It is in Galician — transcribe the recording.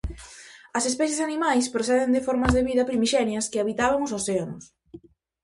As especies animais proceden de formas de vida primixenias que habitaban os océanos.